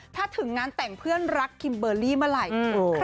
ถ้าถึงงานแต่งเพื่อนรักคิมเบอร์รี่เมื่อไหร่